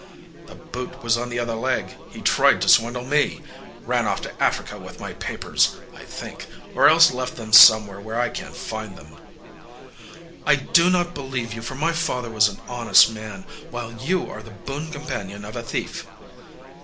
"The boot was on the other leg he tried to swindle me ran off to Africa with my papers, I think, or else left them somewhere where I can't find them." "I do not believe you, for my father was an honest man, while you are the boon companion of a thief."